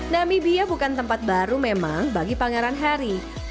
namibia bukan tempat baru memang bagi pangeran harry